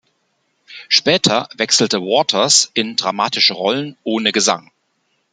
Später wechselte Waters in dramatische Rollen ohne Gesang.